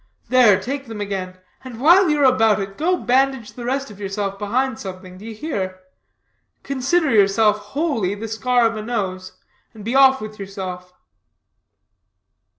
There, take them again, and while you are about it, go bandage the rest of yourself behind something. D'ye hear? Consider yourself, wholly, the scar of a nose, and be off with yourself."